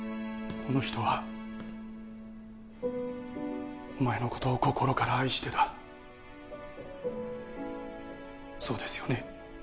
この人はお前のことを心から愛してたそうですよね？